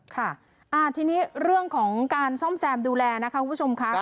ค่ะทีนี้เรื่องของการซ่อมแซมดูแลนะคะคุณผู้ชมค่ะ